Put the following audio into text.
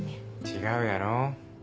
違うやろ。